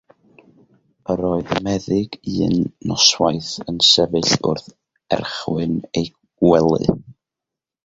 Yr oedd y meddyg un noswaith yn sefyll wrth erchwyn ei wely.